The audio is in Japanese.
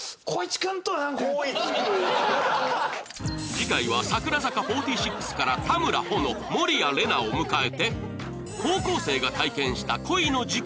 次回は櫻坂４６から田村保乃守屋麗奈を迎えて高校生が体験した恋の事件簿から学ぶ